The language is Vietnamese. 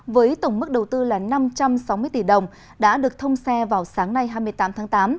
với tổng mức đầu tư là năm trăm sáu mươi tỷ đồng đã được thông xe vào sáng nay hai mươi tám tháng tám